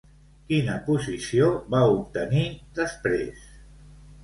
Quina posició va obtenir després?